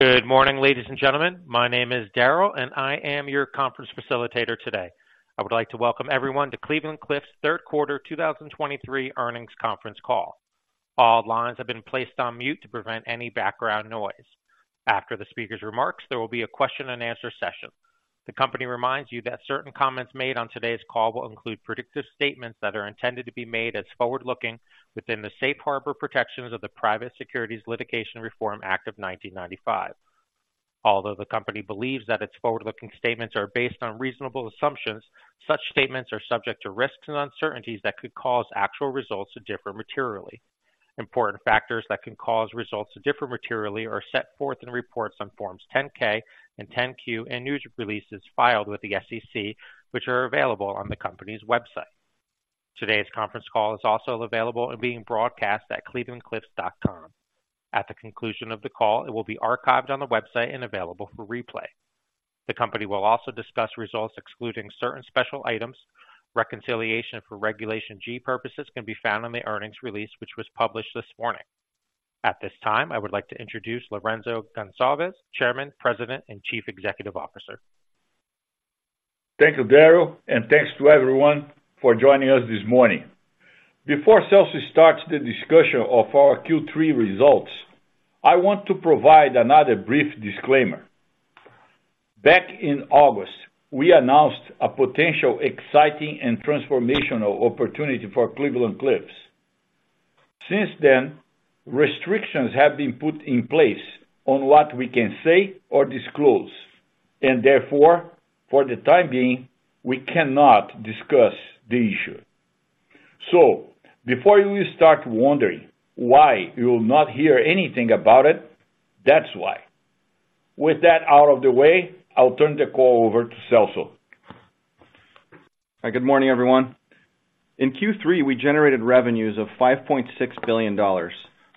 Good morning, ladies and gentlemen. My name is Daryl, and I am your conference facilitator today. I would like to welcome everyone to Cleveland-Cliffs' Third Quarter 2023 earnings conference call. All lines have been placed on mute to prevent any background noise. After the speaker's remarks, there will be a question and answer session. The company reminds you that certain comments made on today's call will include predictive statements that are intended to be made as forward-looking within the safe harbor protections of the Private Securities Litigation Reform Act of 1995. Although the company believes that its forward-looking statements are based on reasonable assumptions, such statements are subject to risks and uncertainties that could cause actual results to differ materially. Important factors that can cause results to differ materially are set forth in reports on Forms 10-K and 10-Q and news releases filed with the SEC, which are available on the company's website. Today's conference call is also available and being broadcast at clevelandcliffs.com. At the conclusion of the call, it will be archived on the website and available for replay. The company will also discuss results, excluding certain special items. Reconciliation for Regulation G purposes can be found on the earnings release, which was published this morning. At this time, I would like to introduce Lourenco Goncalves, Chairman, President, and Chief Executive Officer. Thank you, Daryl, and thanks to everyone for joining us this morning. Before Celso starts the discussion of our Q3 results, I want to provide another brief disclaimer. Back in August, we announced a potential exciting and transformational opportunity for Cleveland-Cliffs. Since then, restrictions have been put in place on what we can say or disclose, and therefore, for the time being, we cannot discuss the issue. So before you start wondering why you will not hear anything about it, that's why. With that out of the way, I'll turn the call over to Celso. Hi, good morning, everyone. In Q3, we generated revenues of $5.6 billion,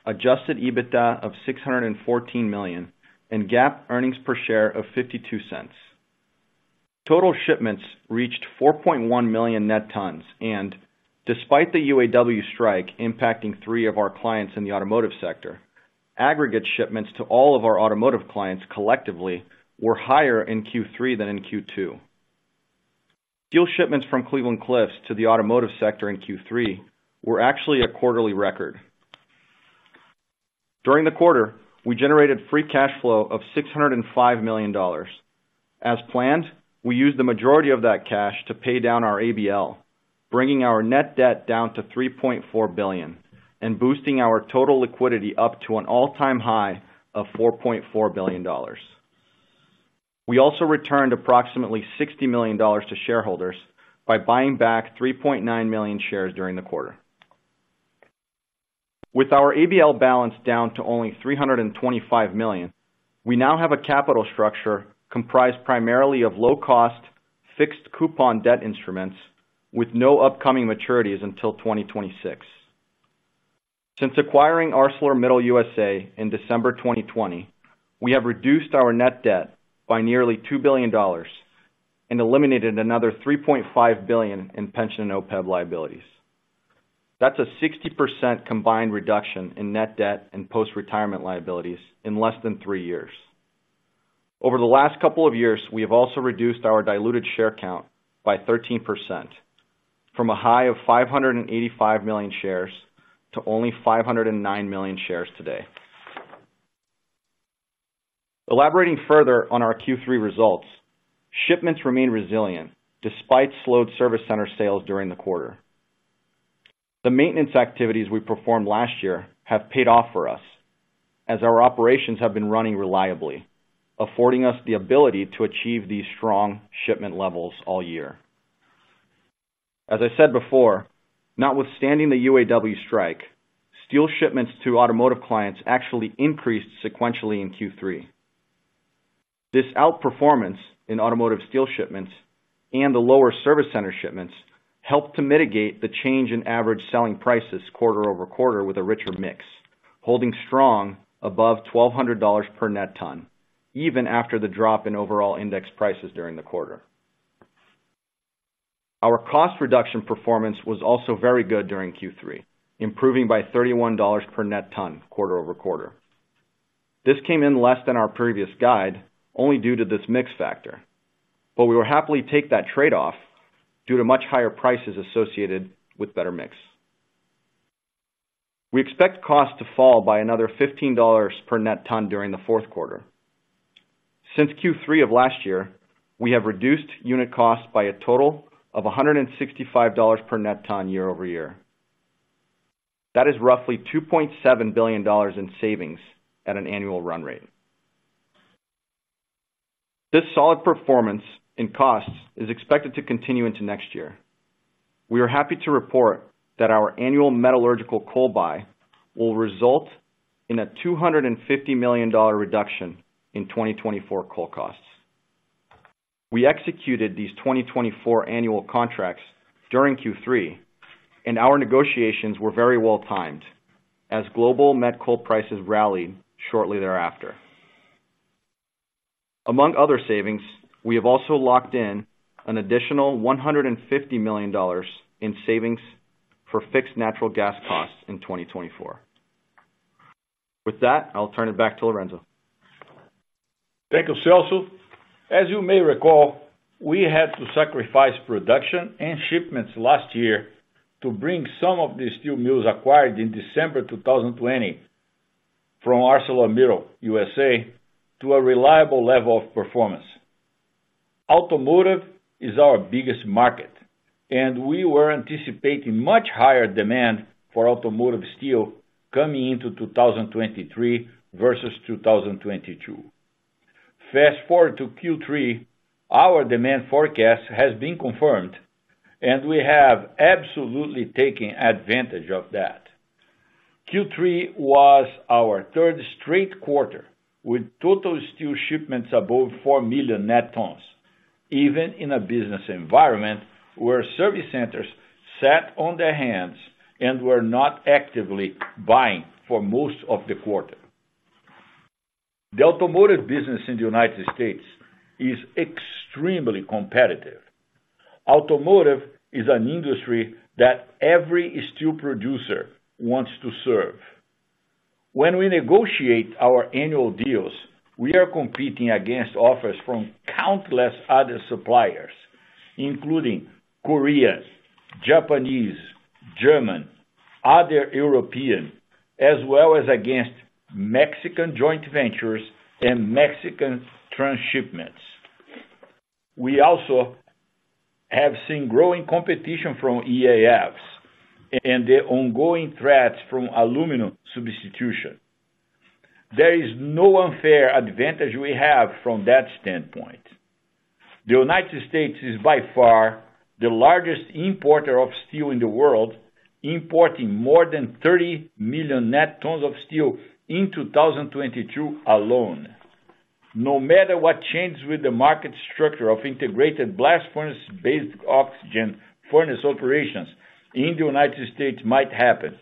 Adjusted EBITDA of $614 million, and GAAP earnings per share of $0.52. Total shipments reached 4.1 million net tons, and despite the UAW strike impacting three of our clients in the automotive sector, aggregate shipments to all of our automotive clients collectively were higher in Q3 than in Q2. Steel shipments from Cleveland-Cliffs to the automotive sector in Q3 were actually a quarterly record. During the quarter, we generated free cash flow of $605 million. As planned, we used the majority of that cash to pay down our ABL, bringing our net debt down to $3.4 billion and boosting our total liquidity up to an all-time high of $4.4 billion. We also returned approximately $60 million to shareholders by buying back 3.9 million shares during the quarter. With our ABL balance down to only $325 million, we now have a capital structure comprised primarily of low-cost, fixed-coupon debt instruments with no upcoming maturities until 2026. Since acquiring ArcelorMittal USA in December 2020, we have reduced our net debt by nearly $2 billion and eliminated another $3.5 billion in pension and OPEB liabilities. That's a 60% combined reduction in net debt and post-retirement liabilities in less than three years. Over the last couple of years, we have also reduced our diluted share count by 13%, from a high of 585 million shares to only 509 million shares today. Elaborating further on our Q3 results, shipments remain resilient despite slowed service center sales during the quarter. The maintenance activities we performed last year have paid off for us, as our operations have been running reliably, affording us the ability to achieve these strong shipment levels all year. As I said before, notwithstanding the UAW strike, steel shipments to automotive clients actually increased sequentially in Q3. This outperformance in automotive steel shipments and the lower service center shipments helped to mitigate the change in average selling prices quarter over quarter with a richer mix, holding strong above $1,200 per net ton, even after the drop in overall index prices during the quarter. Our cost reduction performance was also very good during Q3, improving by $31 per net ton quarter over quarter. This came in less than our previous guide, only due to this mix factor, but we will happily take that trade-off due to much higher prices associated with better mix. We expect costs to fall by another $15 per net ton during the fourth quarter. Since Q3 of last year, we have reduced unit costs by a total of $165 per net ton year-over-year. That is roughly $2.7 billion in savings at an annual run rate. This solid performance in costs is expected to continue into next year. We are happy to report that our annual metallurgical coal buy will result in a $250 million reduction in 2024 coal costs. We executed these 2024 annual contracts during Q3, and our negotiations were very well-timed, as global met coal prices rallied shortly thereafter. Among other savings, we have also locked in an additional $150 million in savings for fixed natural gas costs in 2024. With that, I'll turn it back to Lourenco. Thank you, Celso. As you may recall, we had to sacrifice production and shipments last year to bring some of these steel mills acquired in December 2020 from ArcelorMittal USA to a reliable level of performance. Automotive is our biggest market, and we were anticipating much higher demand for automotive steel coming into 2023 versus 2022. Fast forward to Q3, our demand forecast has been confirmed, and we have absolutely taken advantage of that. Q3 was our third straight quarter, with total steel shipments above 4 million net tons, even in a business environment where service centers sat on their hands and were not actively buying for most of the quarter. The automotive business in the United States is extremely competitive. Automotive is an industry that every steel producer wants to serve. When we negotiate our annual deals, we are competing against offers from countless other suppliers, including Koreans, Japanese, German, other European, as well as against Mexican joint ventures and Mexican trans shipments. We also have seen growing competition from EAFs and the ongoing threats from aluminum substitution. There is no unfair advantage we have from that standpoint. The United States is by far the largest importer of steel in the world, importing more than 30 million net tons of steel in 2022 alone. No matter what changes with the market structure of integrated blast furnace-based oxygen furnace operations in the United States might happen,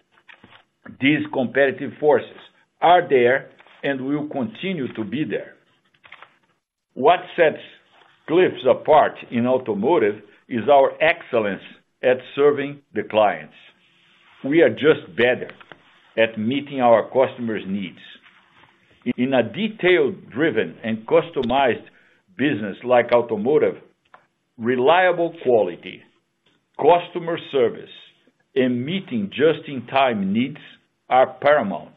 these competitive forces are there and will continue to be there. What sets Cliffs apart in automotive is our excellence at serving the clients. We are just better at meeting our customers' needs. In a detail-driven and customized business like automotive, reliable quality, customer service, and meeting just-in-time needs are paramount,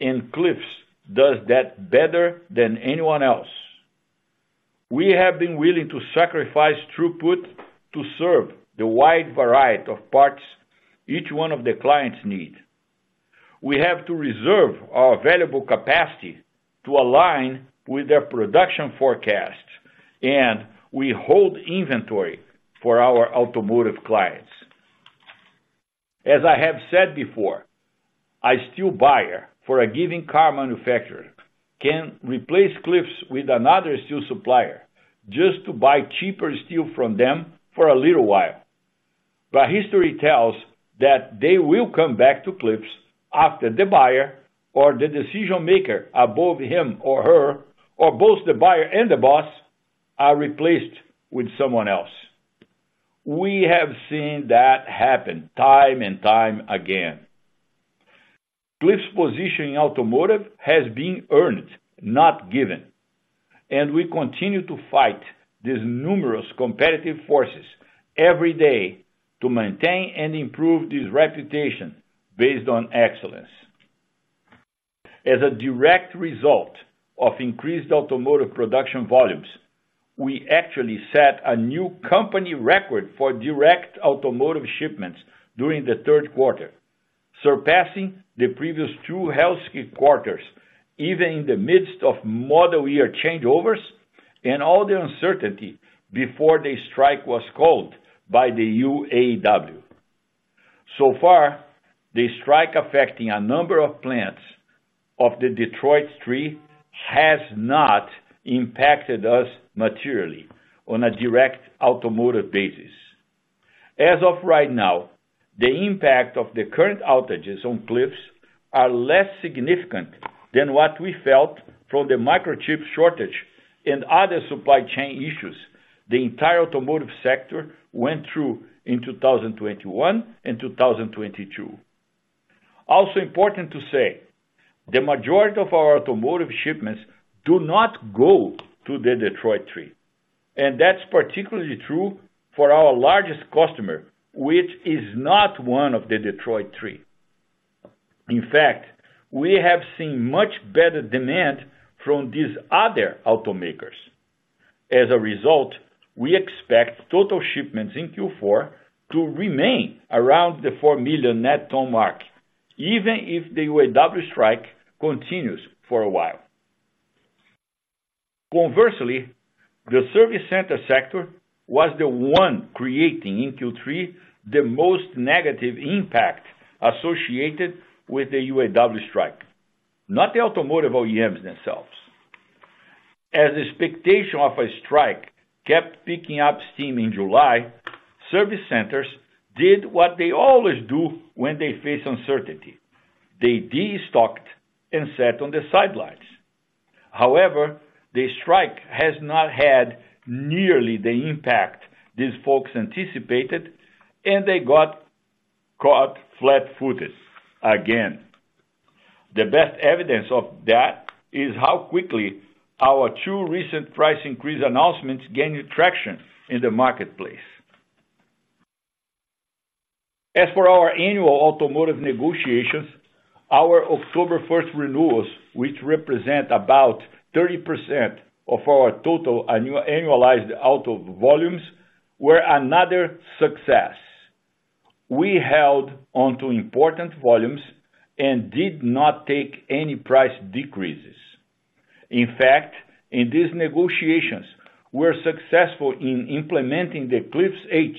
and Cliffs does that better than anyone else. We have been willing to sacrifice throughput to serve the wide variety of parts each one of the clients need. We have to reserve our valuable capacity to align with their production forecast, and we hold inventory for our automotive clients. As I have said before, a steel buyer for a given car manufacturer can replace Cliffs with another steel supplier just to buy cheaper steel from them for a little while. But history tells that they will come back to Cliffs after the buyer or the decision maker above him or her, or both the buyer and the boss, are replaced with someone else. We have seen that happen time and time again. Cliffs' position in automotive has been earned, not given, and we continue to fight these numerous competitive forces every day to maintain and improve this reputation based on excellence. As a direct result of increased automotive production volumes, we actually set a new company record for direct automotive shipments during the third quarter, surpassing the previous two healthy quarters, even in the midst of model year changeovers and all the uncertainty before the strike was called by the UAW. So far, the strike, affecting a number of plants of the Detroit Three, has not impacted us materially on a direct automotive basis. As of right now, the impact of the current outages on Cliffs are less significant than what we felt from the microchip shortage and other supply chain issues the entire automotive sector went through in 2021 and 2022. Also important to say, the majority of our automotive shipments do not go to the Detroit Three, and that's particularly true for our largest customer, which is not one of the Detroit Three. In fact, we have seen much better demand from these other automakers. As a result, we expect total shipments in Q4 to remain around the 4 million net ton mark, even if the UAW strike continues for a while. Conversely, the service center sector was the one creating, in Q3, the most negative impact associated with the UAW strike, not the automotive OEMs themselves. As expectation of a strike kept picking up steam in July, service centers did what they always do when they face uncertainty they destocked and sat on the sidelines. However, the strike has not had nearly the impact these folks anticipated, and they got caught flat-footed again. The best evidence of that is how quickly our two recent price increase announcements gained traction in the marketplace. As for our annual automotive negotiations, our October first renewals, which represent about 30% of our total annual, annualized auto volumes, were another success. We held onto important volumes and did not take any price decreases. In fact, in these negotiations, we're successful in implementing the Cliffs H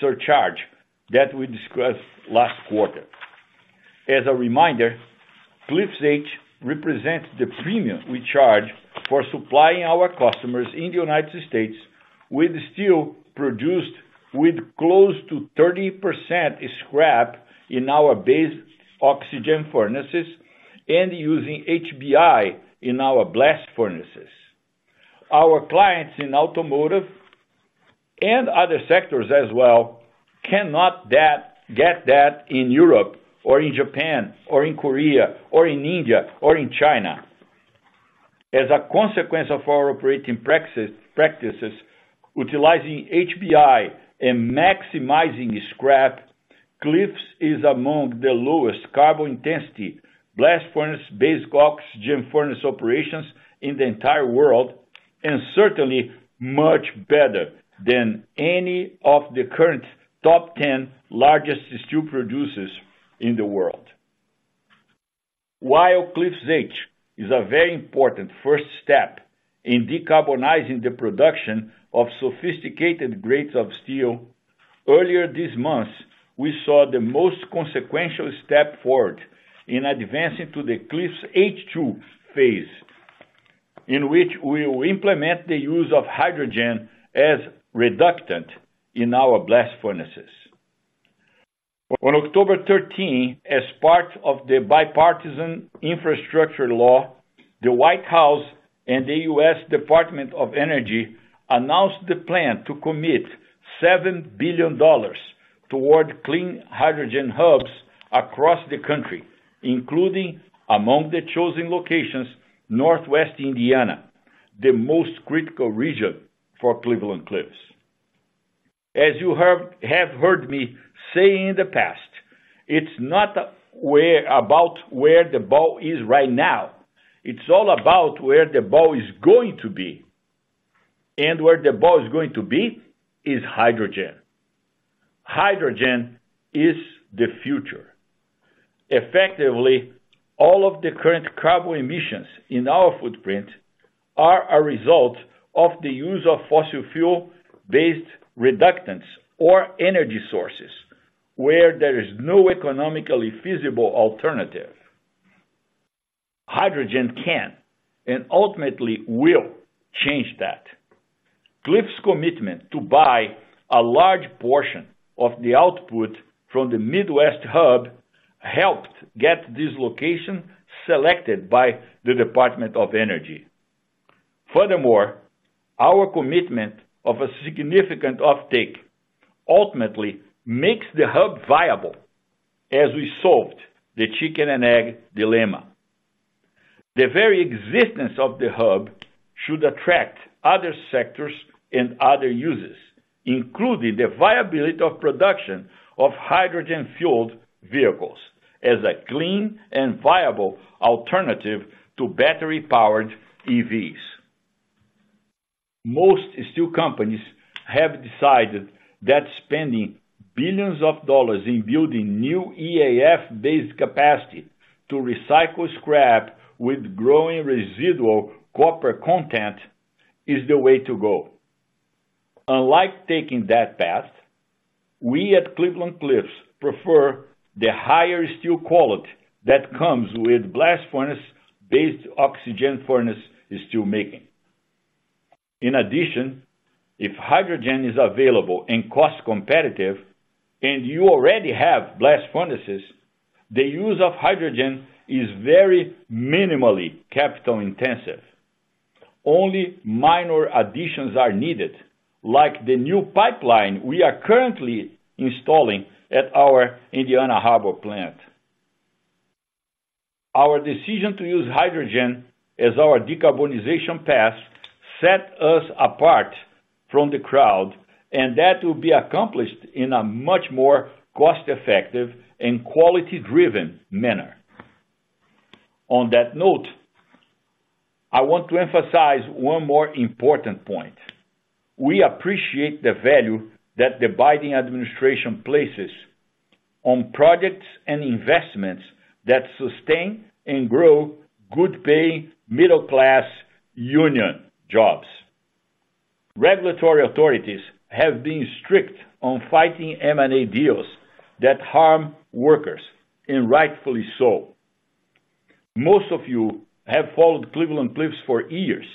surcharge that we discussed last quarter. As a reminder, Cliffs H represents the premium we charge for supplying our customers in the United States with steel produced with close to 30% scrap in our basic oxygen furnaces and using HBI in our blast furnaces. Our clients in automotive and other sectors as well cannot get that in Europe or in Japan, or in Korea, or in India, or in China. As a consequence of our operating practices, utilizing HBI and maximizing scrap, Cliffs is among the lowest carbon intensity blast furnace, basic oxygen furnace operations in the entire world, and certainly much better than any of the current top 10 largest steel producers in the world. While Cliffs H is a very important first step in decarbonizing the production of sophisticated grades of steel, earlier this month, we saw the most consequential step forward in advancing to the Cliffs H2 Phase, in which we will implement the use of hydrogen as reductant in our blast furnaces. On October 13, as part of the Bipartisan Infrastructure Law, the White House and the U.S. Department of Energy announced the plan to commit $7 billion toward clean hydrogen hubs across the country, including among the chosen locations, Northwest Indiana, the most critical region for Cleveland-Cliffs. As you have heard me say in the past, it's not about where the ball is right now, it's all about where the ball is going to be, and where the ball is going to be is hydrogen. Hydrogen is the future. Effectively, all of the current carbon emissions in our footprint are a result of the use of fossil fuel-based reductants or energy sources, where there is no economically feasible alternative. Hydrogen can, and ultimately will, change that. Cliffs' commitment to buy a large portion of the output from the Midwest hub helped get this location selected by the Department of Energy. Furthermore, our commitment of a significant offtake ultimately makes the hub viable as we solved the chicken and egg dilemma. The very existence of the hub should attract other sectors and other uses, including the viability of production of hydrogen-fueled vehicles as a clean and viable alternative to battery-powered EVs. Most steel companies have decided that spending billions of dollars in building new EAF-based capacity to recycle scrap with growing residual copper content is the way to go. Unlike taking that path, we at Cleveland-Cliffs prefer the higher steel quality that comes with blast furnace-based oxygen furnace steel making. In addition, if hydrogen is available and cost competitive, and you already have blast furnaces, the use of hydrogen is very minimally capital intensive. Only minor additions are needed, like the new pipeline we are currently installing at our Indiana Harbor plant. Our decision to use hydrogen as our decarbonization path, set us apart from the crowd, and that will be accomplished in a much more cost-effective and quality-driven manner. On that note, I want to emphasize one more important point. We appreciate the value that the Biden administration places on projects and investments that sustain and grow good-paying, middle-class union jobs. Regulatory authorities have been strict on fighting M&A deals that harm workers, and rightfully so. Most of you have followed Cleveland-Cliffs for years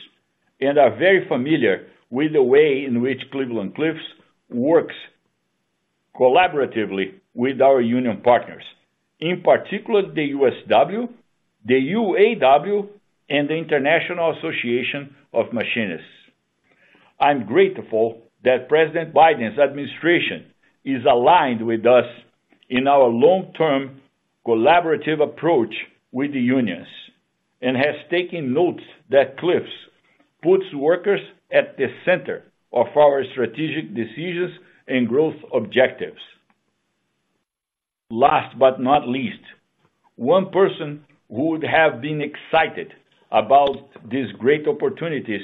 and are very familiar with the way in which Cleveland-Cliffs works collaboratively with our union partners, in particular, the USW, the UAW, and the International Association of Machinists. I'm grateful that President Biden's administration is aligned with us in our long-term collaborative approach with the unions, and has taken notes that Cliffs puts workers at the center of our strategic decisions and growth objectives. Last but not least, one person who would have been excited about these great opportunities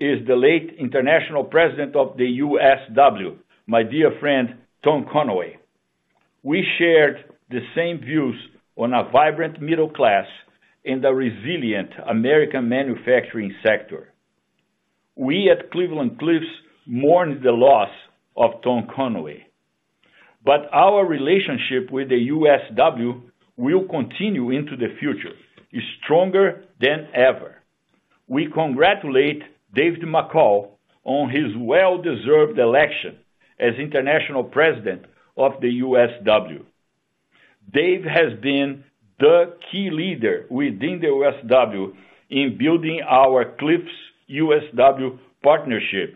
is the late international president of the USW, my dear friend, Tom Conway. We shared the same views on a vibrant middle class and a resilient American manufacturing sector. We at Cleveland-Cliffs mourn the loss of Tom Conway, but our relationship with the USW will continue into the future, stronger than ever. We congratulate David McCall on his well-deserved election as international president of the USW. Dave has been the key leader within the USW in building our Cliffs USW partnership,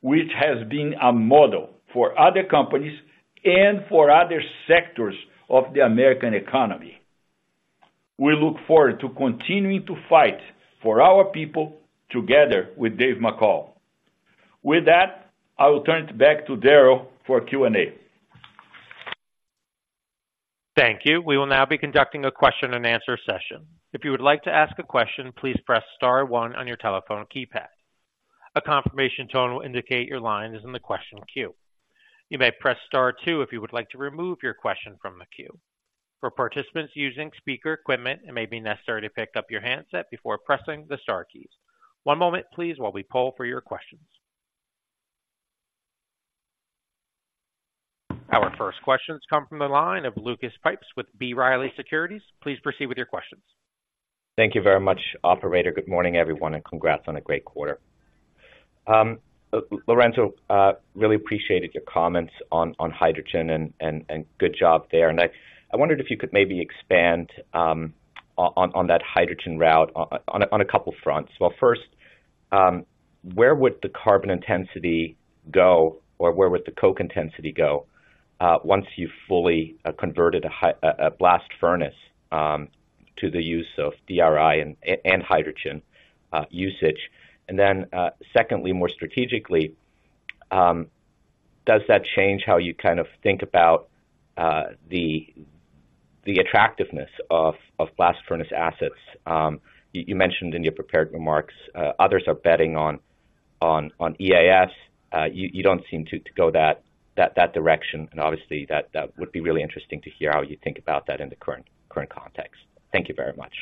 which has been a model for other companies and for other sectors of the American economy. We look forward to continuing to fight for our people together with Dave McCall. With that, I will turn it back to Daryl for Q&A. Thank you. We will now be conducting a question and answer session. If you would like to ask a question, please press star one on your telephone keypad. A confirmation tone will indicate your line is in the question queue. You may press star two if you would like to remove your question from the queue. For participants using speaker equipment, it may be necessary to pick up your handset before pressing the star keys. One moment, please, while we poll for your questions. Our first questions come from the line of Lucas Pipes with B. Riley Securities. Please proceed with your questions. Thank you very much, operator. Good morning, everyone, and congrats on a great quarter. Lourenco, really appreciated your comments on hydrogen and good job there. And I wondered if you could maybe expand on that hydrogen route on a couple fronts. Well, first, where would the carbon intensity go, or where would the coke intensity go, once you fully converted a blast furnace to the use of DRI and hydrogen usage? And then, secondly, more strategically, does that change how you kind of think about the attractiveness of blast furnace assets? You mentioned in your prepared remarks, others are betting on EAFs. You don't seem to go that direction, and obviously that would be really interesting to hear how you think about that in the current context. Thank you very much.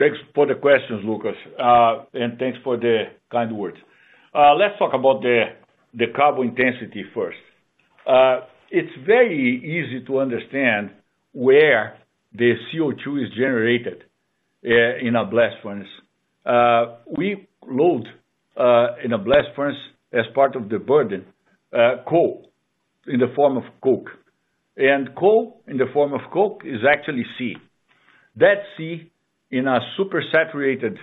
Thanks for the questions, Lucas, and thanks for the kind words. Let's talk about the carbon intensity first. It's very easy to understand where the CO2 is generated in a blast furnace. We load in a blast furnace as part of the burden coal in the form of coke, and coal in the form of coke is actually C. That C, in a supersaturated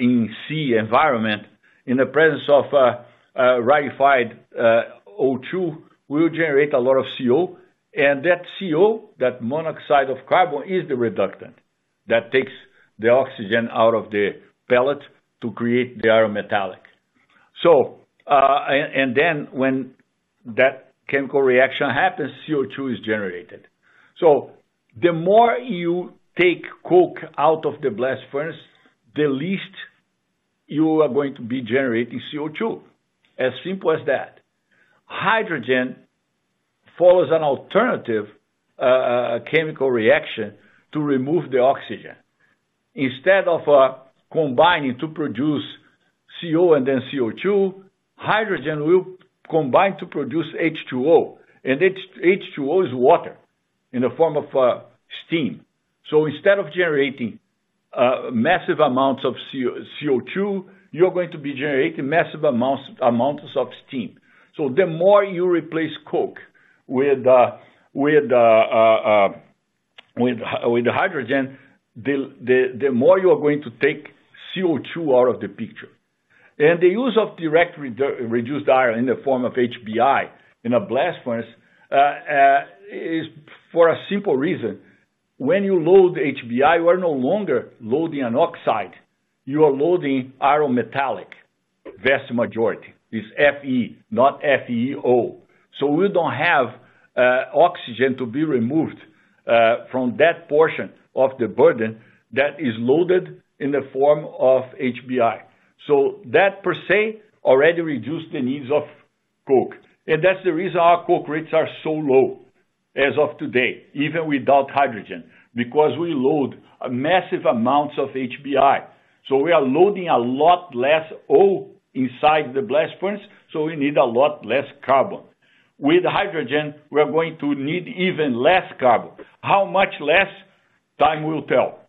in C environment, in the presence of rarefied O2, will generate a lot of CO. And that CO, that monoxide of carbon, is the reductant that takes the oxygen out of the pellet to create the iron metallic. So, and then when that chemical reaction happens, CO2 is generated. So the more you take coke out of the blast furnace, the least you are going to be generating CO2. As simple as that. Hydrogen follows an alternative chemical reaction to remove the oxygen. Instead of combining to produce CO and then CO2, hydrogen will combine to produce H2O, and H2O is water in the form of steam. So instead of generating massive amounts of CO, CO2, you're going to be generating massive amounts of steam. So the more you replace coke with hydrogen, the more you are going to take CO2 out of the picture. And the use of direct reduced iron in the form of HBI in a blast furnace is for a simple reason. When you load HBI, you are no longer loading an oxide, you are loading iron metallic. Vast majority is FE, not FeO. So we don't have oxygen to be removed from that portion of the burden that is loaded in the form of HBI. So that, per se, already reduced the needs of coke, and that's the reason our coke rates are so low as of today, even without hydrogen, because we load massive amounts of HBI. So we are loading a lot less O inside the blast furnace, so we need a lot less carbon. With hydrogen, we are going to need even less carbon. How much less? Time will tell,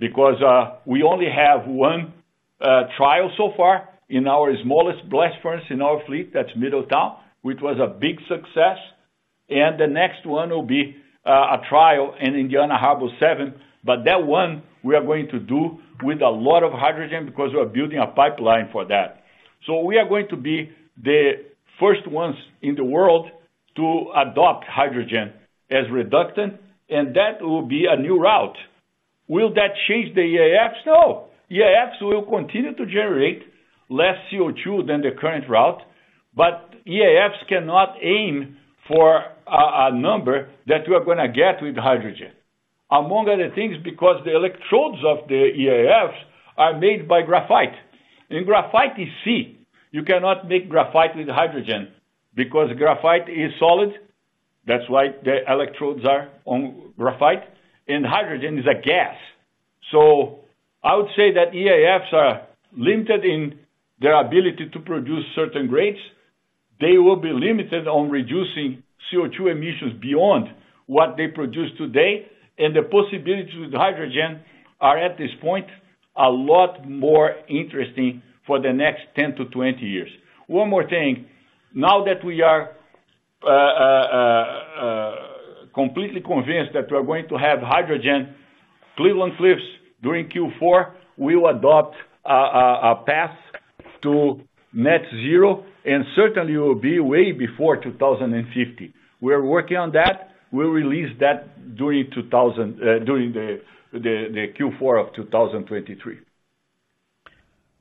because we only have one trial so far in our smallest blast furnace in our fleet, that's Middletown, which was a big success. And the next one will be a trial in Indiana Harbor Seven, but that one we are going to do with a lot of hydrogen because we are building a pipeline for that. So we are going to be the first ones in the world to adopt hydrogen as reductant, and that will be a new route. Will that change the EAFs? No. EAFs will continue to generate less CO2 than the current route, but EAFs cannot aim for a number that we are gonna get with hydrogen. Among other things, because the electrodes of the EAFs are made by graphite, and graphite is C. You cannot make graphite with hydrogen because graphite is solid, that's why the electrodes are on graphite, and hydrogen is a gas. So I would say that EAFs are limited in their ability to produce certain grades. They will be limited on reducing CO2 emissions beyond what they produce today, and the possibility with hydrogen are, at this point, a lot more interesting for the next 10-20 years. One more thing. Now that we are completely convinced that we are going to have hydrogen, Cleveland-Cliffs, during Q4, will adopt a path to net zero, and certainly will be way before 2050. We are working on that. We'll release that during the Q4 of 2023.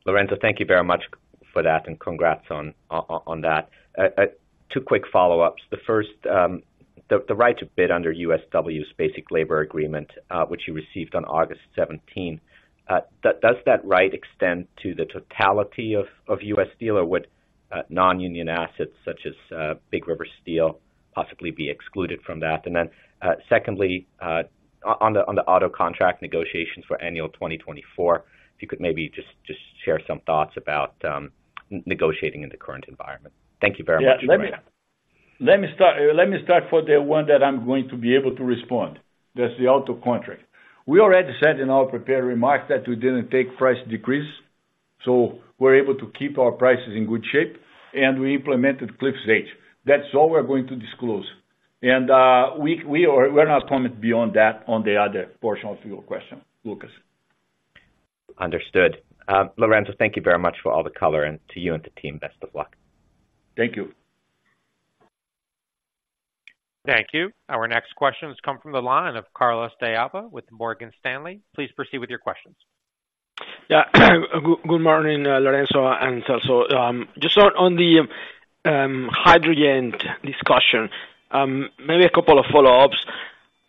Lourenco, thank you very much for that, and congrats on that. Two quick follow-ups. The first, the right to bid under USW's Basic Labor Agreement, which you received on August 17. Does that right extend to the totality of U.S. Steel, or would non-union assets such as Big River Steel possibly be excluded from that? And then, secondly, on the auto contract negotiations for annual 2024, if you could maybe just share some thoughts about negotiating in the current environment. Thank you very much. Yeah. Let me- Let me start for the one that I'm going to be able to respond. That's the auto contract. We already said in our prepared remarks that we didn't take price decrease, so we're able to keep our prices in good shape, and we implemented Cliffs H. That's all we're going to disclose. And, we're not comment beyond that on the other portion of your question, Lucas. Understood. Lourenco, thank you very much for all the color and to you and the team, best of luck. Thank you. Thank you. Our next question has come from the line of Carlos de Alba with Morgan Stanley. Please proceed with your questions. Yeah. Good morning, Lourenco and Celso. Just on the hydrogen discussion, maybe a couple of follow-ups.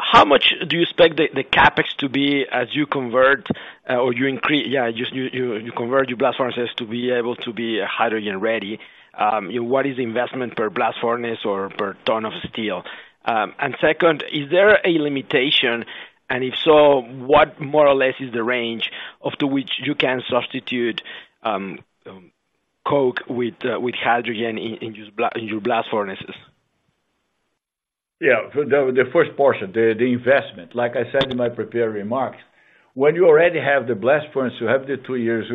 How much do you expect the CapEx to be as you convert or you increase—yeah, you convert your blast furnaces to be able to be hydrogen-ready? And what is the investment per blast furnace or per ton of steel? And second, is there a limitation, and if so, what more or less is the range to which you can substitute coke with hydrogen in your blast furnaces? Yeah. So the first portion, the investment. Like I said in my prepared remarks, when you already have the blast furnace, you have the two years,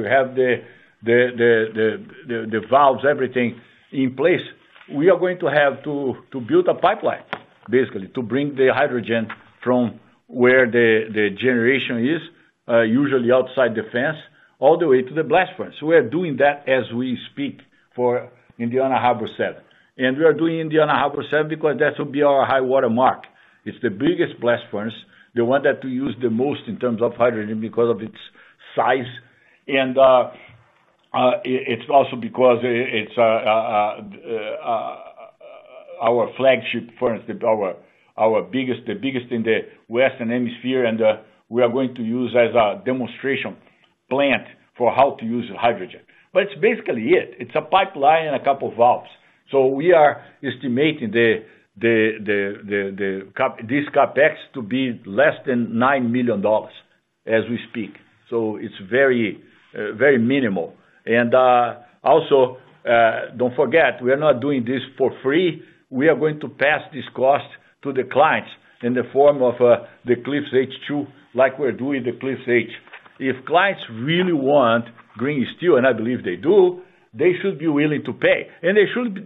you have the valves, everything in place, we are going to have to build a pipeline, basically, to bring the hydrogen from where the generation is, usually outside the fence, all the way to the blast furnace. We are doing that as we speak for Indiana Harbor 7. And we are doing Indiana Harbor 7 because that will be our high water mark. It's the biggest blast furnace, the one that we use the most in terms of hydrogen because of its size. And it's also because it's our flagship furnace, our biggest, the biggest in the Western Hemisphere, and we are going to use as a demonstration plant for how to use hydrogen. But it's basically it. It's a pipeline and a couple of valves. So we are estimating this CapEx to be less than $9 million as we speak. So it's very minimal. And also, don't forget, we are not doing this for free. We are going to pass this cost to the clients in the form of the Cliffs H2, like we're doing the Cliffs H. If clients really want green steel, and I believe they do, they should be willing to pay, and they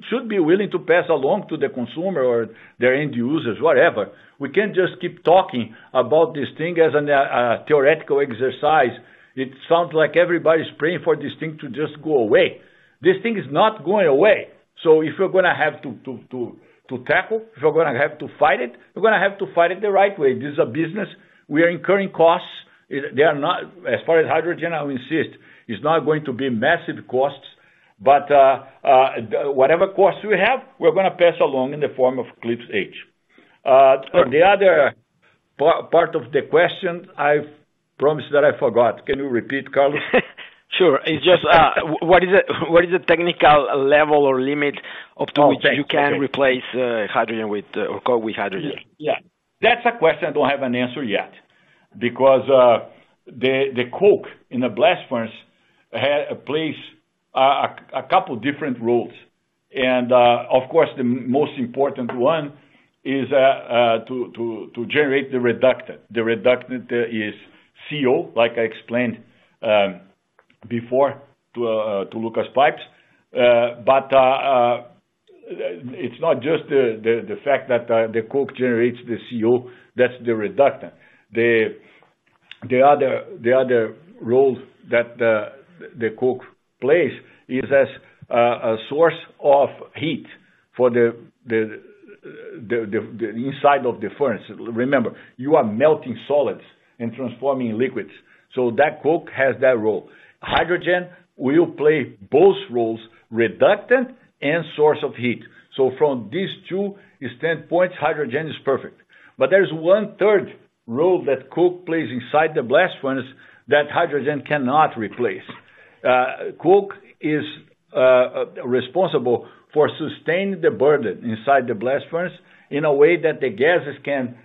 should be willing to pass along to the consumer or their end users, whatever. We can't just keep talking about this thing as a theoretical exercise. It sounds like everybody's praying for this thing to just go away. This thing is not going away. So if you're gonna have to tackle, if you're gonna have to fight it, you're gonna have to fight it the right way. This is a business. We are incurring costs. They are not... As far as hydrogen, I will insist, it's not going to be massive costs, but whatever costs we have, we're gonna pass along in the form of Cliffs H. The other part of the question, I've promised that I forgot. Can you repeat, Carlos? Sure. It's just, what is the, what is the technical level or limit up to which- Oh, okay. - You can replace hydrogen with, or coke with hydrogen? Yeah. That's a question I don't have an answer yet. Because, the coke in the blast furnace had a place, a couple different roles. And, of course, the most important one is, to generate the reductant. The reductant is CO, like I explained, before to Lucas Pipes. But, it's not just the fact that, the coke generates the CO, that's the reductant. The other role that the coke plays is as a source of heat for the inside of the furnace. Remember, you are melting solids and transforming liquids, so that coke has that role. Hydrogen will play both roles, reductant and source of heat. So from these two standpoint, hydrogen is perfect. But there's one third role that coke plays inside the blast furnace that hydrogen cannot replace. Coke is responsible for sustaining the burden inside the blast furnace in a way that the gases can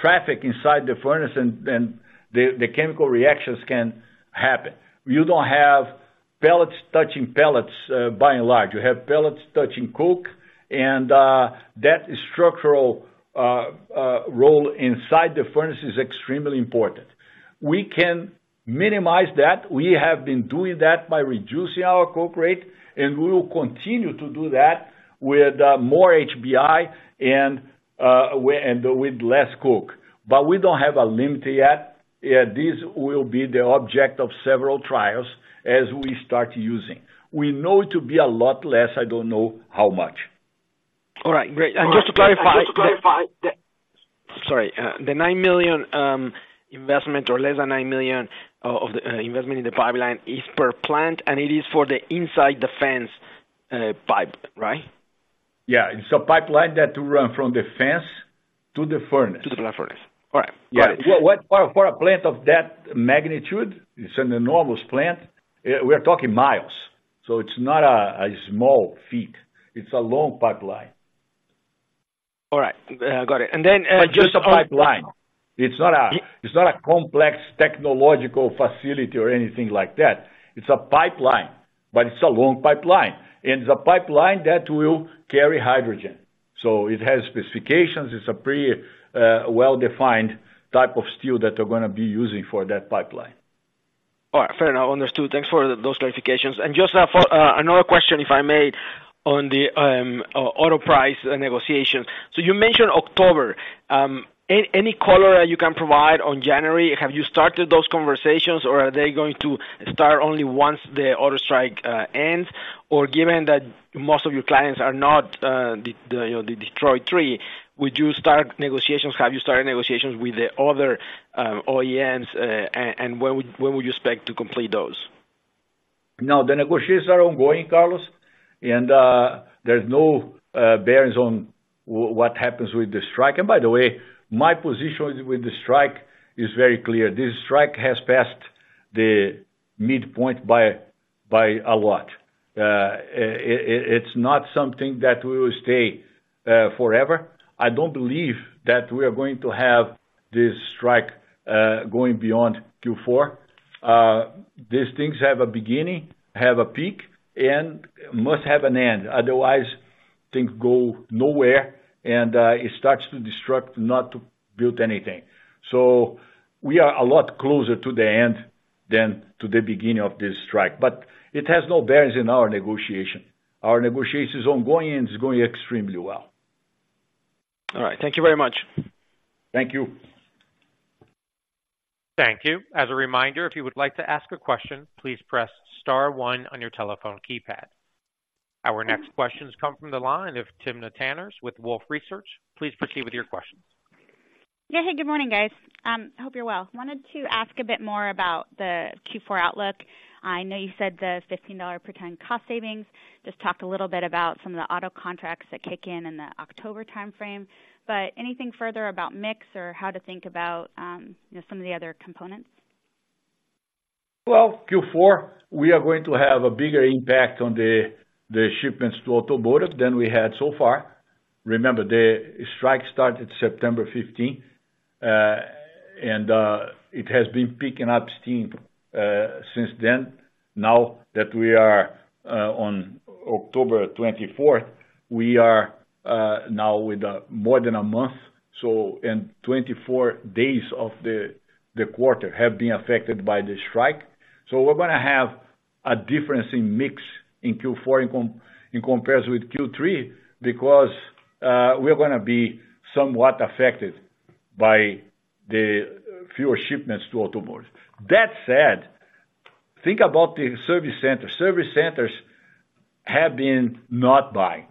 traffic inside the furnace, and the chemical reactions can happen. You don't have pellets touching pellets by and large. You have pellets touching coke, and that structural role inside the furnace is extremely important. We can minimize that. We have been doing that by reducing our coke rate, and we will continue to do that with more HBI and with less coke. But we don't have a limit yet. Yeah, this will be the object of several trials as we start using. We know it to be a lot less, I don't know how much. All right, great. And just to clarify, sorry, the $9 million investment, or less than $9 million of the investment in the pipeline is per plant, and it is for the inside the fence pipe, right? Yeah. It's a pipeline that to run from the fence to the furnace. To the furnace. All right. Got it. Yeah. For a plant of that magnitude, it's an enormous plant. We're talking miles, so it's not a small feat. It's a long pipeline. All right, got it. And then just- It's a pipeline. It's not, it's not a complex technological facility or anything like that. It's a pipeline, but it's a long pipeline, and it's a pipeline that will carry hydrogen. So it has specifications. It's a pretty, well-defined type of steel that they're gonna be using for that pipeline. All right, fair enough. Understood. Thanks for those clarifications. And just for another question, if I may, on the auto price negotiation. So you mentioned October, any color you can provide on January? Have you started those conversations, or are they going to start only once the auto strike ends? Or given that most of your clients are not the you know the Detroit Three, would you start negotiations? Have you started negotiations with the other OEMs, and when would you expect to complete those? No, the negotiations are ongoing, Carlos, and there's no bearing on what happens with the strike. By the way, my position with the strike is very clear. This strike has passed the midpoint by a lot. It's not something that will stay forever. I don't believe that we are going to have this strike going beyond Q4. These things have a beginning, have a peak, and must have an end. Otherwise, things go nowhere, and it starts to destruct, not to build anything. So we are a lot closer to the end than to the beginning of this strike, but it has no bearing in our negotiation. Our negotiation is ongoing and is going extremely well. All right. Thank you very much. Thank you. Thank you. As a reminder, if you would like to ask a question, please press star one on your telephone keypad. Our next questions come from the line of Timna Tanners with Wolfe Research. Please proceed with your question. Yeah. Hey, good morning, guys. Hope you're well. Wanted to ask a bit more about the Q4 outlook. I know you said the $15 per ton cost savings. Just talked a little bit about some of the auto contracts that kick in in the October timeframe. But anything further about mix or how to think about, you know, some of the other components? Well, Q4, we are going to have a bigger impact on the shipments to automotive than we had so far. Remember, the strike started September 15, and it has been picking up steam since then. Now that we are on October 24, we are now with more than a month, so and 24 days of the quarter have been affected by the strike. So we're gonna have a difference in mix in Q4 in comparison with Q3, because we're gonna be somewhat affected by the fewer shipments to automotive. That said, think about the service centers. Service centers have been not buying.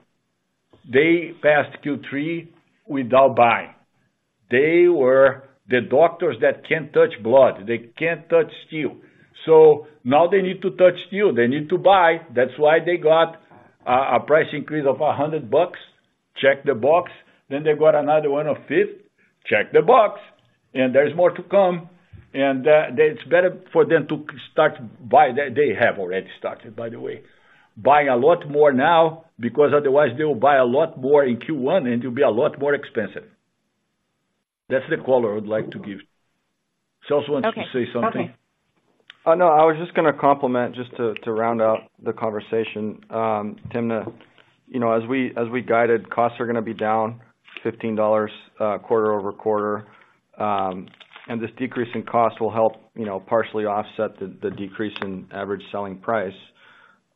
They passed Q3 without buying. They were the doctors that can't touch blood. They can't touch steel. So now they need to touch steel. They need to buy. That's why they got a price increase of $100. Check the box. Then they got another one of 5%. Check the box, and there's more to come. And that it's better for them to start buying, that they have already started, by the way. Buying a lot more now, because otherwise they will buy a lot more in Q1, and it'll be a lot more expensive. That's the color I would like to give. Celso, want to say something? Okay. No, I was just gonna compliment, just to round out the conversation. Timna, you know, as we guided, costs are gonna be down $15 quarter-over-quarter. And this decrease in cost will help, you know, partially offset the decrease in average selling price.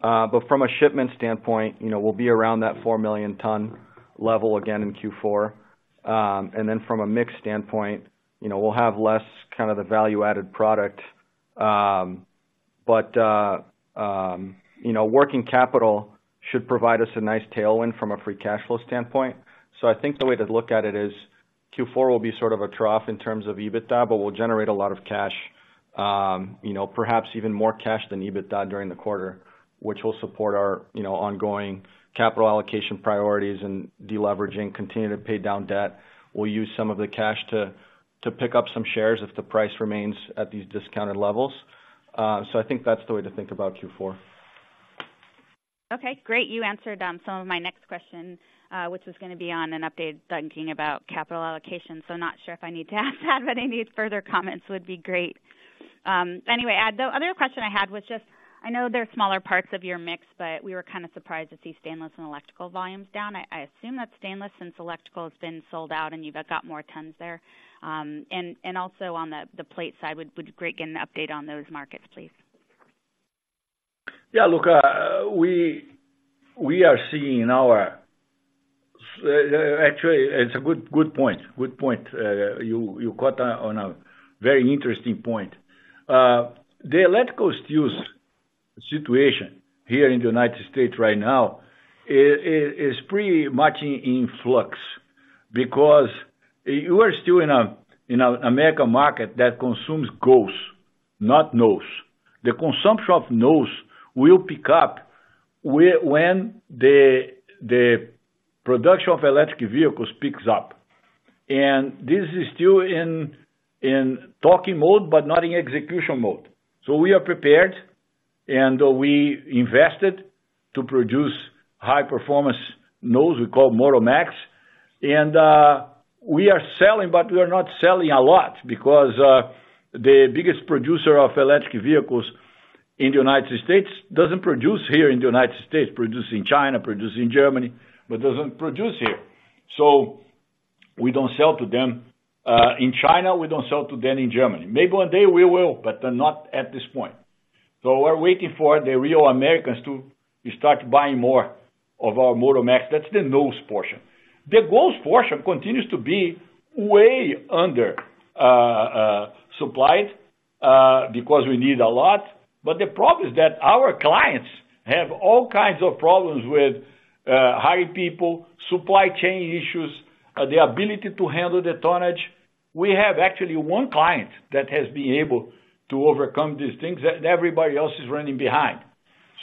But from a shipment standpoint, you know, we'll be around that 4 million ton level again in Q4. And then from a mix standpoint, you know, we'll have less kind of the value-added product. But, you know, working capital should provide us a nice tailwind from a free cash flow standpoint. I think the way to look at it is, Q4 will be sort of a trough in terms of EBITDA, but we'll generate a lot of cash, you know, perhaps even more cash than EBITDA during the quarter, which will support our, you know, ongoing capital allocation priorities and deleveraging, continue to pay down debt. We'll use some of the cash to pick up some shares if the price remains at these discounted levels. I think that's the way to think about Q4. Okay, great. You answered some of my next question, which was gonna be on an update thinking about capital allocation. So not sure if I need to ask that, but any further comments would be great. Anyway, the other question I had was just, I know they're smaller parts of your mix, but we were kind of surprised to see stainless and electrical volumes down. I assume that's stainless, since electrical has been sold out and you've got more tons there. And also on the plate side, would be great to get an update on those markets, please. Yeah, look, we are seeing in our... Actually, it's a good, good point. Good point. You caught on a very interesting point. The electrical steels situation here in the United States right now is pretty much in flux. Because you are still in an American market that consumes GOES, not NOES. The consumption of NOES will pick up when the production of electric vehicles picks up. And this is still in talking mode, but not in execution mode. So we are prepared, and we invested to produce high performance NOES we call MotoMax. And we are selling, but we are not selling a lot because the biggest producer of electric vehicles in the United States doesn't produce here in the United States, produce in China, produce in Germany, but doesn't produce here. So we don't sell to them in China, we don't sell to them in Germany. Maybe one day we will, but not at this point. So we're waiting for the real Americans to start buying more of our MotoMax. That's the NOES portion. The NOES portion continues to be way under supplied because we need a lot. But the problem is that our clients have all kinds of problems with hiring people, supply chain issues, the ability to handle the tonnage. We have actually one client that has been able to overcome these things, everybody else is running behind.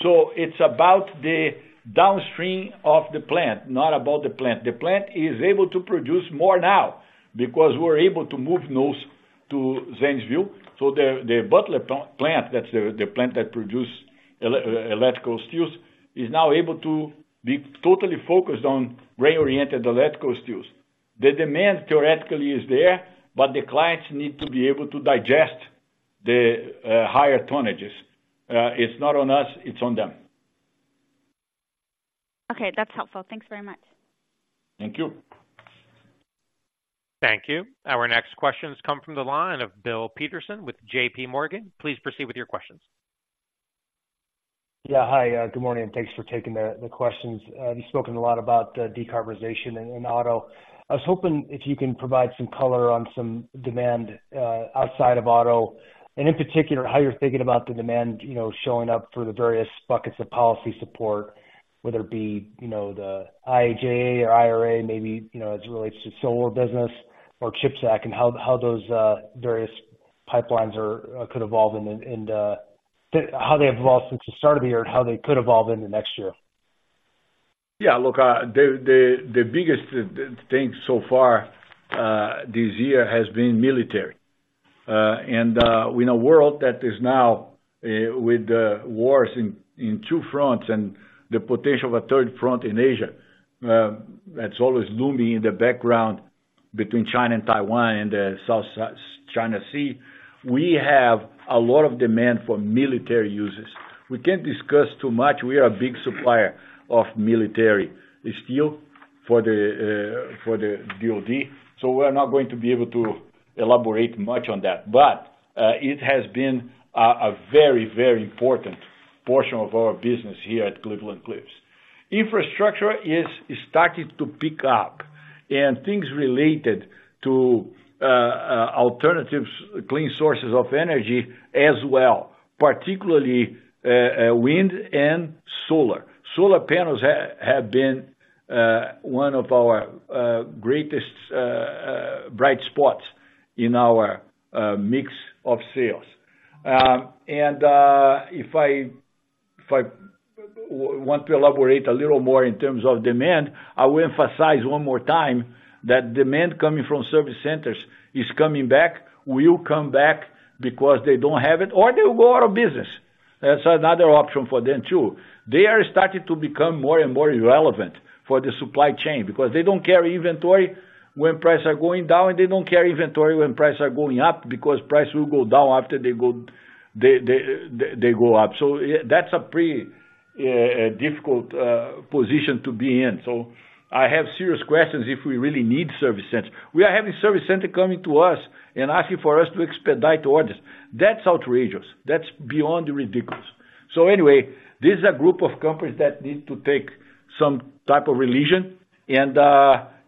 So it's about the downstream of the plant, not about the plant. The plant is able to produce more now because we're able to move NOES to Zanesville. So the Butler plant, that's the plant that produces electrical steels, is now able to be totally focused on grain-oriented electrical steels. The demand theoretically is there, but the clients need to be able to digest the higher tonnages. It's not on us, it's on them. Okay, that's helpful. Thanks very much. Thank you. Thank you. Our next questions come from the line of Bill Peterson with J.P. Morgan. Please proceed with your questions. Yeah, hi, good morning, and thanks for taking the questions. You've spoken a lot about the decarbonization in auto. I was hoping if you can provide some color on some demand outside of auto, and in particular, how you're thinking about the demand, you know, showing up through the various buckets of policy support, whether it be, you know, the IIJA or IRA, maybe, you know, as it relates to solar business or CHIPS Act, and how those various pipelines are, could evolve and how they have evolved since the start of the year and how they could evolve in the next year. Yeah, look, the biggest thing so far this year has been military. And, in a world that is now, with wars in two fronts and the potential of a third front in Asia, that's always looming in the background between China and Taiwan and the South China Sea, we have a lot of demand for military uses. We can't discuss too much. We are a big supplier of military steel for the DoD, so we're not going to be able to elaborate much on that. But, it has been a very, very important portion of our business here at Cleveland-Cliffs. Infrastructure is starting to pick up, and things related to alternatives, clean sources of energy as well, particularly wind and solar. Solar panels have been one of our greatest bright spots in our mix of sales. And if I want to elaborate a little more in terms of demand. I will emphasize one more time that demand coming from service centers is coming back, will come back because they don't have it or they will go out of business. That's another option for them, too. They are starting to become more and more irrelevant for the supply chain because they don't carry inventory when prices are going down, and they don't carry inventory when prices are going up, because prices will go down after they go, they go up. So that's a pretty difficult position to be in. So I have serious questions if we really need service centers. We are having service center coming to us and asking for us to expedite orders. That's outrageous. That's beyond ridiculous. So anyway, this is a group of companies that need to take some type of religion and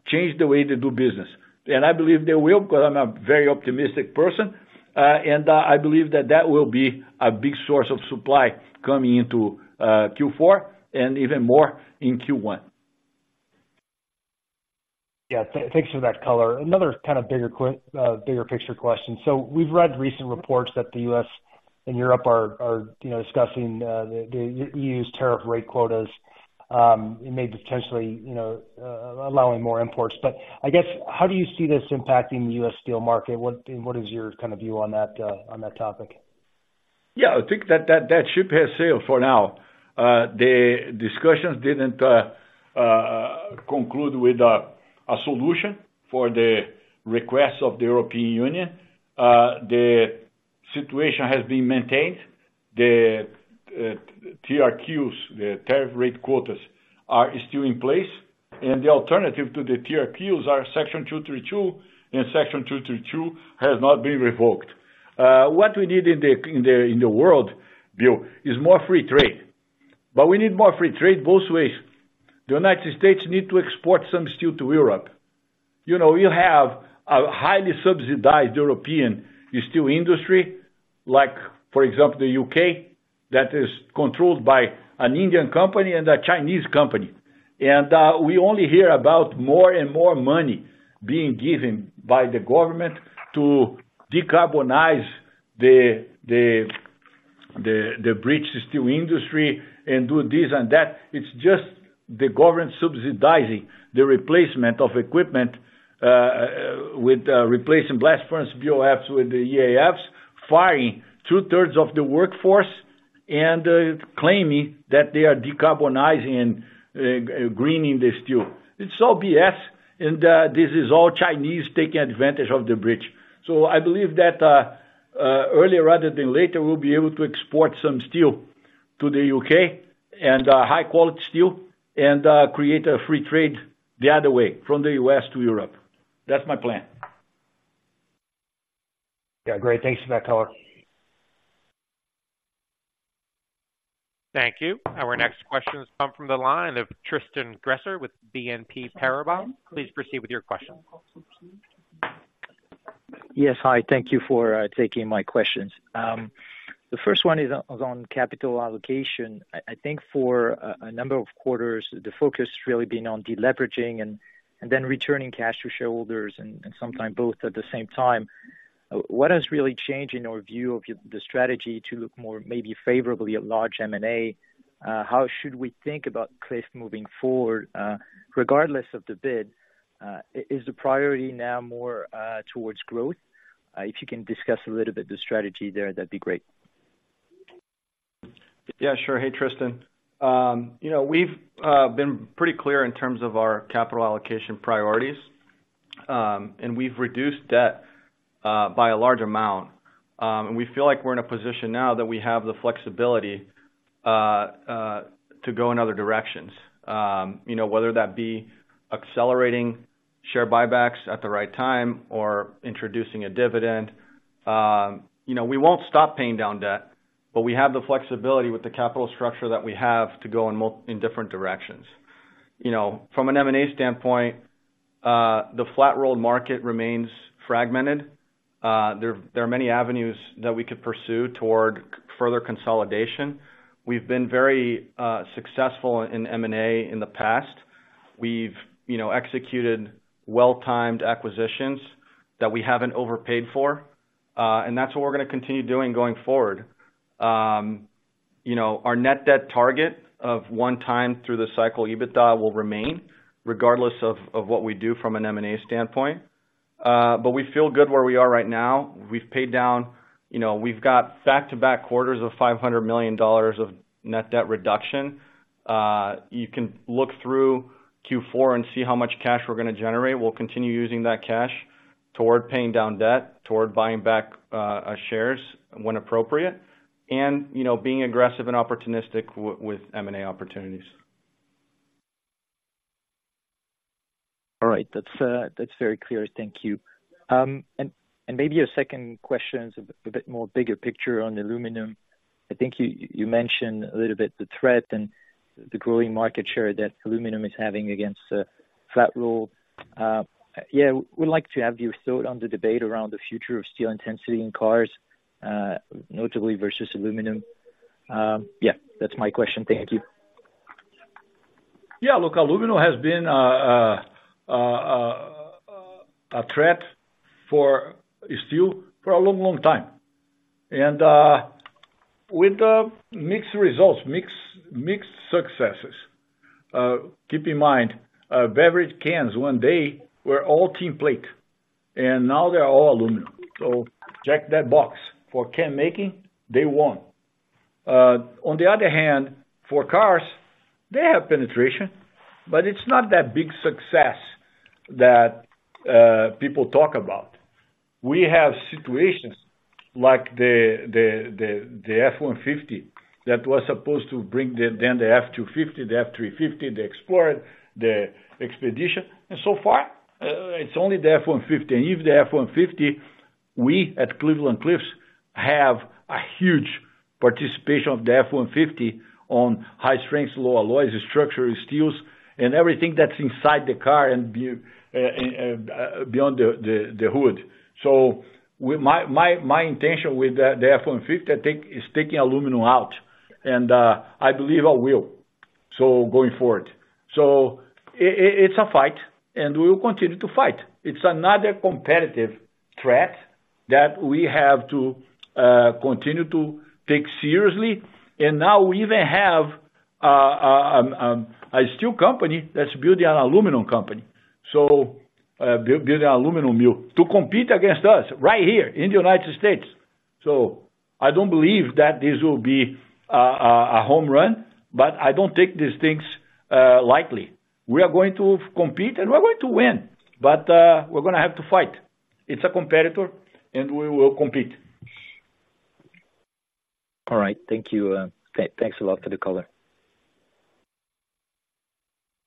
change the way they do business. And I believe they will, because I'm a very optimistic person, and I believe that that will be a big source of supply coming into Q4 and even more in Q1. Yeah, thanks for that color. Another kind of bigger picture question. So we've read recent reports that the U.S. and Europe are, you know, discussing the E.U.'s tariff rate quotas and may potentially, you know, allowing more imports. But I guess, how do you see this impacting the U.S. steel market? And what is your kind of view on that topic? Yeah, I think that ship has sailed for now. The discussions didn't conclude with a solution for the request of the European Union. The situation has been maintained. The TRQs, the tariff rate quotas, are still in place, and the alternative to the TRQs are Section 232, and Section 232 has not been revoked. What we need in the world, Bill, is more free trade. But we need more free trade both ways. The United States need to export some steel to Europe. You know, you have a highly subsidized European Steel Industry, like for example, the UK, that is controlled by an Indian company and a Chinese company. We only hear about more and more money being given by the government to decarbonize the British Steel Industry and do this and that. It's just the government subsidizing the replacement of equipment with replacing blast furnace BOFs with the EAFs, firing two-thirds of the workforce and claiming that they are decarbonizing and greening the steel. It's all BS, and this is all Chinese taking advantage of the British. So I believe that earlier rather than later, we'll be able to export some steel to the U.K. and high quality steel and create a free trade the other way from the U.S. to Europe. That's my plan. Yeah, great. Thanks for that color. Thank you. Our next question has come from the line of Tristan Gresser with BNP Paribas. Please proceed with your question. Yes, hi, thank you for taking my questions. The first one is on capital allocation. I think for a number of quarters, the focus really been on deleveraging and then returning cash to shareholders and sometimes both at the same time. What has really changed in your view of the strategy to look more maybe favorably at large M&A? How should we think about Cliffs moving forward, regardless of the bid? Is the priority now more towards growth? If you can discuss a little bit the strategy there, that'd be great. Yeah, sure. Hey, Tristan. You know, we've been pretty clear in terms of our capital allocation priorities, and we've reduced debt by a large amount. And we feel like we're in a position now that we have the flexibility to go in other directions. You know, whether that be accelerating share buybacks at the right time or introducing a dividend. You know, we won't stop paying down debt, but we have the flexibility with the capital structure that we have to go in different directions. You know, from an M&A standpoint, the flat-rolled market remains fragmented. There are many avenues that we could pursue toward further consolidation. We've been very successful in M&A in the past. We've, you know, executed well-timed acquisitions that we haven't overpaid for, and that's what we're gonna continue doing going forward. You know, our net debt target of 1x through the cycle, EBITDA, will remain regardless of, of what we do from an M&A standpoint. But we feel good where we are right now. We've paid down, you know, we've got back-to-back quarters of $500 million of net debt reduction. You can look through Q4 and see how much cash we're gonna generate. We'll continue using that cash toward paying down debt, toward buying back our shares when appropriate, and, you know, being aggressive and opportunistic with M&A opportunities. All right. That's, that's very clear. Thank you. And maybe a second question is a bit more bigger picture on aluminum. I think you mentioned a little bit the threat and the growing market share that aluminum is having against flat roll. Yeah, we'd like to have your thought on the debate around the future of steel intensity in cars, notably versus aluminum. Yeah, that's my question. Thank you. Yeah, look, aluminum has been a threat for steel for a long, long time, and with mixed results, mixed successes. Keep in mind, beverage cans one day were all tin plate, and now they are all aluminum. So check that box. For can making, they won. On the other hand, for cars, they have penetration, but it's not that big success that people talk about. We have situations like the F-150 that was supposed to bring the then F-250, the F-350, the Explorer, the Expedition, and so far, it's only the F-150. And even the F-150, we at Cleveland-Cliffs have a huge participation of the F-150 on high strength, low alloys, structural steels, and everything that's inside the car and beyond the hood. So with my intention with the F-150, I think, is taking aluminum out, and I believe I will, so going forward. So it's a fight, and we will continue to fight. It's another competitive threat that we have to continue to take seriously. And now we even have a steel company that's building an aluminum company, so building an aluminum mill to compete against us right here in the United States. So I don't believe that this will be a home run, but I don't take these things lightly. We are going to compete, and we're going to win, but we're gonna have to fight. It's a competitor, and we will compete. All right. Thank you. Thanks a lot for the color.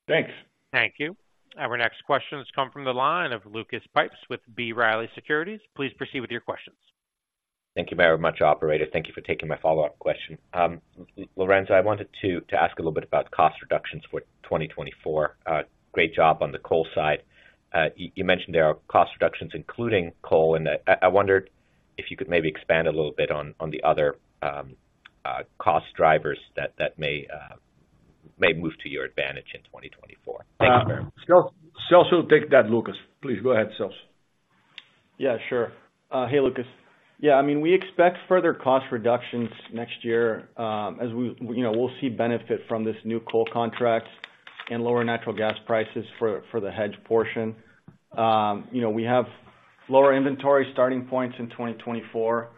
Thanks. Thank you. Our next question has come from the line of Lucas Pipes with B. Riley Securities. Please proceed with your questions. Thank you very much, operator. Thank you for taking my follow-up question. Lourenco, I wanted to ask a little bit about cost reductions for 2024. Great job on the coal side. You mentioned there are cost reductions, including coal, and I wondered if you could maybe expand a little bit on the other cost drivers that may move to your advantage in 2024. Thanks very much. Celso, Celso, take that, Lucas. Please go ahead, Celso. Yeah, sure. Hey, Lucas. Yeah, I mean, we expect further cost reductions next year, as we, you know, we'll see benefit from this new coal contract and lower natural gas prices for the hedge portion. You know, we have lower inventory starting points in 2024,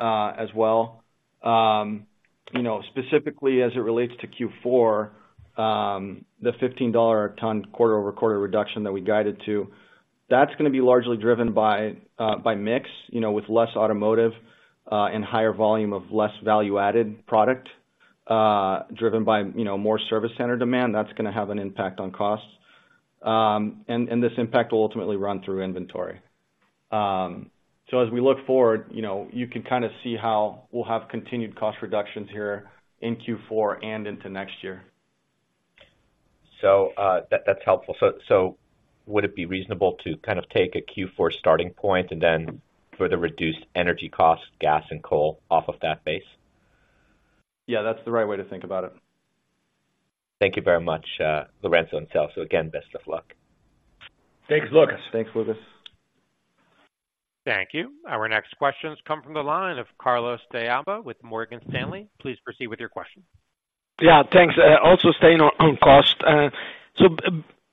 as well. You know, specifically as it relates to Q4, the $15 a ton quarter-over-quarter reduction that we guided to, that's gonna be largely driven by mix, you know, with less automotive and higher volume of less value-added product, driven by, you know, more service center demand. That's gonna have an impact on costs. And this impact will ultimately run through inventory. So as we look forward, you know, you can kind of see how we'll have continued cost reductions here in Q4 and into next year. So, that's helpful. So, would it be reasonable to kind of take a Q4 starting point and then further reduce energy costs, gas and coal, off of that base? Yeah, that's the right way to think about it. Thank you very much, Lourenco and Celso. Again, best of luck. Thanks, Lucas. Thanks, Lucas. Thank you. Our next questions come from the line of Carlos de Alba with Morgan Stanley. Please proceed with your question. Yeah, thanks. Also staying on cost. So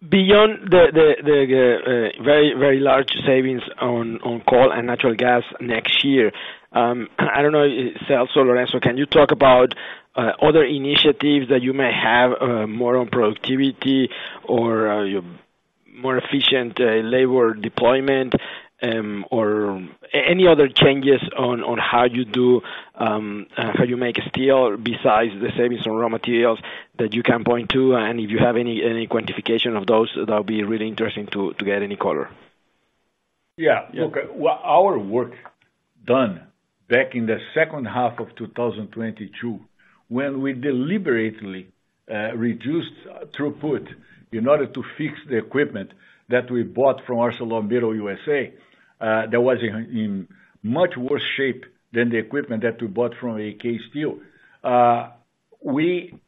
beyond the very large savings on coal and natural gas next year, I don't know if Celso or Lourenco can talk about other initiatives that you may have, more on productivity or more efficient labor deployment, or any other changes on how you make steel besides the savings on raw materials that you can point to? And if you have any quantification of those, that would be really interesting to get any color. Yeah. Okay. Well, our work done back in the second half of 2022, when we deliberately reduced throughput in order to fix the equipment that we bought from ArcelorMittal USA, that was in much worse shape than the equipment that we bought from AK Steel. We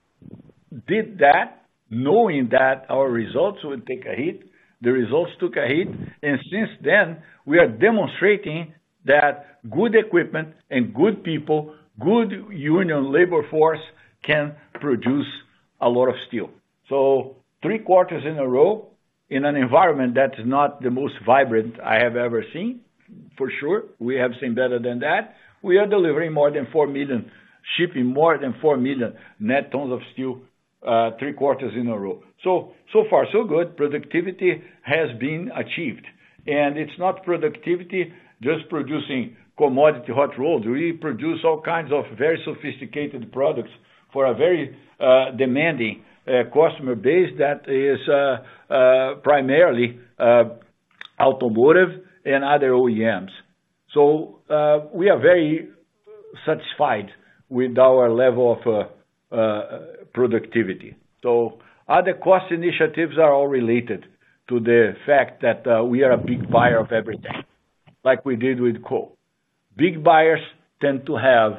did that knowing that our results would take a hit. The results took a hit, and since then, we are demonstrating that good equipment and good people, good union labor force, can produce a lot of steel. So three quarters in a row, in an environment that is not the most vibrant I have ever seen, for sure, we have seen better than that. We are delivering more than 4 million, shipping more than 4 million net tons of steel, three quarters in a row. So far, so good. Productivity has been achieved, and it's not productivity just producing commodity hot rolled. We produce all kinds of very sophisticated products for a very demanding customer base that is primarily automotive and other OEMs. So we are very satisfied with our level of productivity. So other cost initiatives are all related to the fact that we are a big buyer of everything like we did with coal. Big buyers tend to have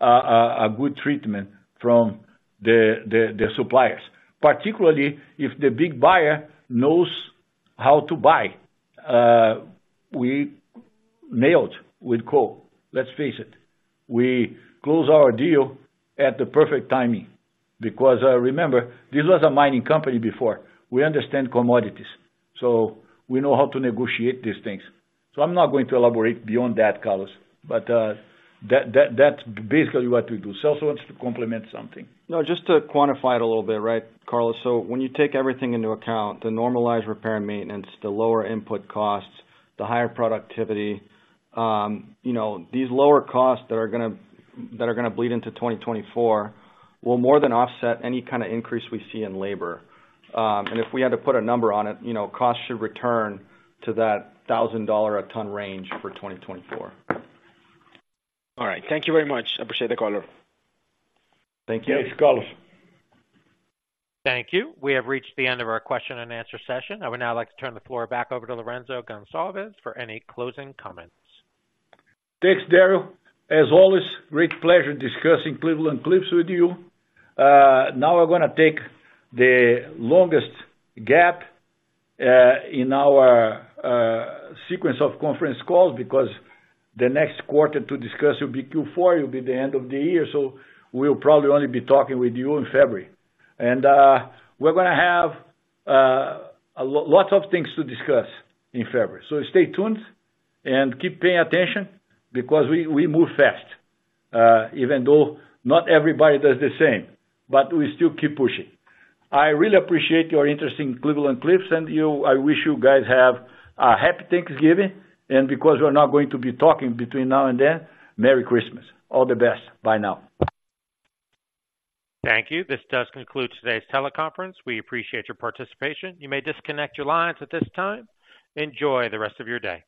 a good treatment from the suppliers, particularly if the big buyer knows how to buy. We nailed with coal. Let's face it, we closed our deal at the perfect timing, because remember, this was a mining company before. We understand commodities, so we know how to negotiate these things. So I'm not going to elaborate beyond that, Carlos, but that's basically what we do. Celso wants to complement something. No, just to quantify it a little bit, right, Carlos. So when you take everything into account, the normalized repair and maintenance, the lower input costs, the higher productivity, you know, these lower costs that are gonna, that are gonna bleed into 2024, will more than offset any kinda increase we see in labor. And if we had to put a number on it, you know, costs should return to that $1,000 a ton range for 2024. All right. Thank you very much. Appreciate the call. Thank you. Thanks, Carlos. Thank you. We have reached the end of our question and answer session. I would now like to turn the floor back over to Lourenco Goncalves for any closing comments. Thanks, Daryl. As always, great pleasure discussing Cleveland-Cliffs with you. Now we're gonna take the longest gap in our sequence of conference calls, because the next quarter to discuss will be Q4, it'll be the end of the year. So we'll probably only be talking with you in February. And, we're gonna have lots of things to discuss in February. So stay tuned and keep paying attention, because we move fast, even though not everybody does the same, but we still keep pushing. I really appreciate your interest in Cleveland-Cliffs, and you. I wish you guys have a happy Thanksgiving, and because we're not going to be talking between now and then, Merry Christmas. All the best. Bye now. Thank you. This does conclude today's teleconference. We appreciate your participation. You may disconnect your lines at this time. Enjoy the rest of your day.